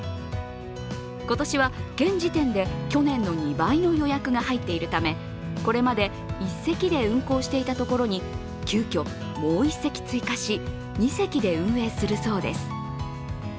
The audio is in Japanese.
今年は現時点で去年の２倍の予約が入っているためこれまで１隻で運航していたところに急きょ、もう１隻追加し、２隻で運営するようです。